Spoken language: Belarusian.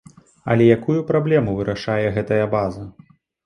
Але якую праблему вырашае гэтая база?